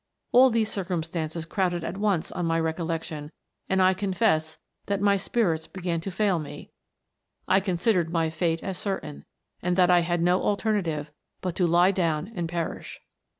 All these circumstances crowded at once on my recollection, and I confess that my spirits began to fail me; I considered my fate as certain, and that I had no alternative but to lie down and perish.